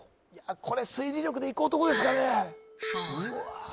これ推理力でいく男ですからねうわ